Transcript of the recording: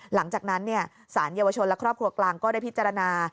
หลังจากนั้นสารเยาวชนและครอบครัวกลางก็ได้พิจารณา